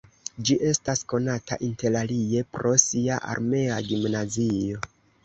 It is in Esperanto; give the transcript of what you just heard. Ĝi estas konata interalie pro sia armea gimnazio.